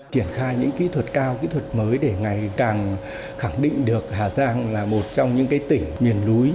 triển khai những kỹ thuật cao kỹ thuật mới để ngày càng khẳng định được hà giang là một trong những tỉnh miền núi